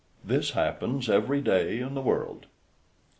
This happens every day in the world.